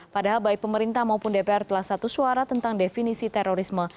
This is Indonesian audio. padahal baik pemerintah maupun dpr telah satu suara tentang definisi terorisme